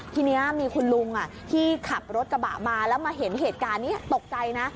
ทีนี้มีคุณลุงที่ขับรถกระบะมาแล้วมาเห็นเหตุการณ์นี้ตกใจนะ